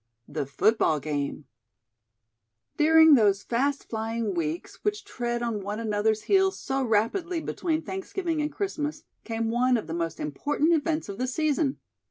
THE FOOTBALL GAME During those fast flying weeks which tread on one another's heels so rapidly between Thanksgiving and Christmas, came one of the most important events of the season.